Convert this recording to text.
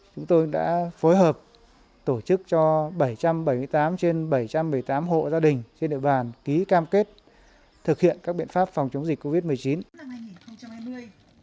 chúng tôi đã phối hợp tổ chức cho bảy trăm bảy mươi tám trên bảy trăm một mươi tám hộ gia đình trên địa bàn ký cam kết thực hiện các biện pháp phòng chống dịch covid một mươi chín